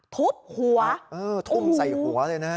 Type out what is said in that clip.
ทุบหัวเออทุ่มใส่หัวเลยนะ